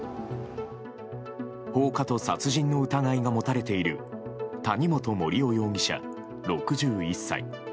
放火と殺人の疑いが持たれている谷本盛雄容疑者、６１歳。